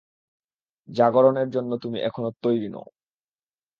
জাগরণের জন্য তুমি এখনো তৈরি নও।